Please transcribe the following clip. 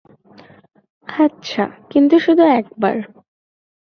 আচ্ছা, কিন্তু শুধু একবার।